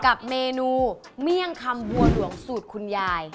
กับเมนูเมี่ยงคำบัวหลวงสูตรคุณยาย